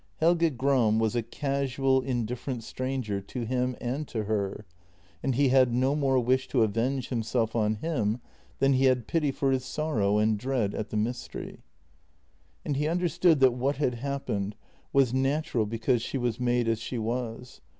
Helge Gram was a casual, indifferent stranger to him and to her, and he had no more wish to avenge himself on him than he had pity for his sorrow and dread at the mystery. And he understood that what had happened was natural be cause she was made as she was.